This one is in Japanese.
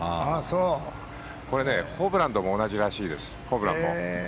これねホブランも同じらしいです。